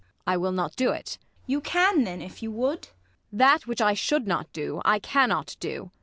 I will not do't. ISAB. You can then, if you would ? Ang. That which I should not do, I cannot do.